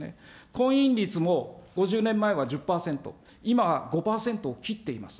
婚姻率も５０年前は１０％、今５％を切っています。